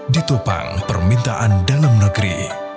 ditupang permintaan dalam negeri